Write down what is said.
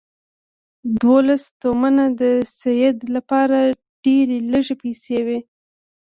دوولس تومنه د سید لپاره ډېرې لږې پیسې وې.